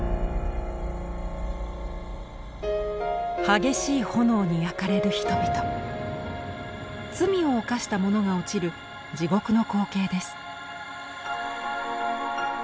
激しい炎に焼かれる人々罪を犯した者が落ちる地獄の光景です。